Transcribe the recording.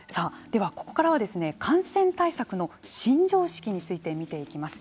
ではここからは感染対策の新常識について見ていきます。